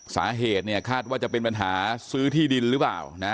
สาเหตุเนี่ยคาดว่าจะเป็นปัญหาซื้อที่ดินหรือเปล่านะ